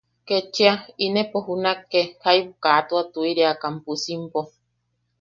Ketchia inepo junakne jaibu ka tua tuiriakan pusimpo.